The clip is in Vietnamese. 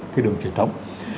cái đường truyền thống